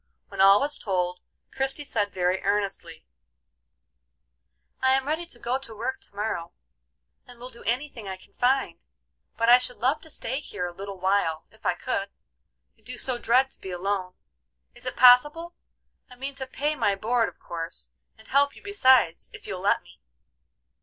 When all was told, Christie said very earnestly: "I am ready to go to work to morrow, and will do any thing I can find, but I should love to stay here a little while, if I could; I do so dread to be alone. Is it possible? I mean to pay my board of course, and help you besides if you'll let me."